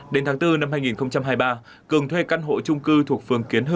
đến tháng bốn năm hai nghìn hai mươi ba cường thuê căn hộ trung cư thuộc phường kiến hưng